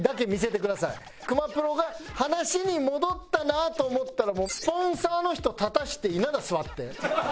熊プロが話に戻ったなと思ったらスポンサーの人立たせて稲田座って。